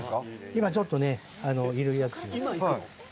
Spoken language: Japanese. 今ちょっとね、いるやつで。